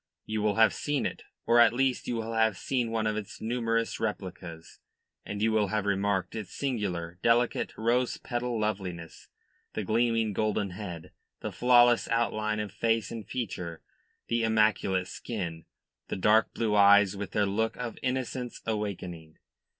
You will have seen it, or at least you will have seen one of its numerous replicas, and you will have remarked its singular, delicate, rose petal loveliness the gleaming golden head, the flawless outline of face and feature, the immaculate skin, the dark blue eyes with their look of innocence awakening.